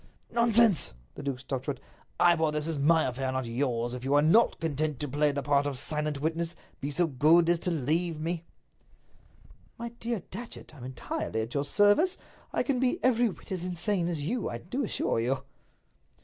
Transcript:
"Nonsense!" The duke stopped short. "Ivor, this is my affair, not yours. If you are not content to play the part of silent witness, be so good as to leave me." "My dear Datchet, I'm entirely at your service. I can be every whit as insane as you, I do assure you."